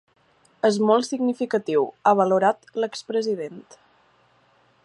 “És molt significatiu”, ha valorat l’ex-president.